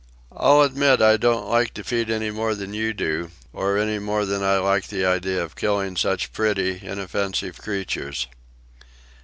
"I'll admit I don't like defeat any more than you do, or any more than I like the idea of killing such pretty, inoffensive creatures."